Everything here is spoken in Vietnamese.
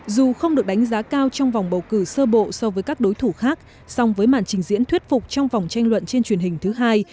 dù không được đánh giá cao trong vòng bầu cử sơ bộ so với các đối thủ khác song với màn trình diễn thuyết phục trong vòng tranh luận trên truyền hình thứ hai